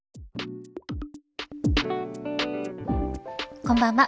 こんばんは。